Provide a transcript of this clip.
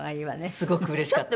すごくうれしかった。